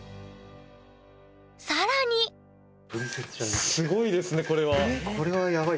更にすごいですねこれは。